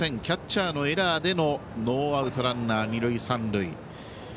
キャッチャーのエラーでのノーアウトランナー、二塁三塁。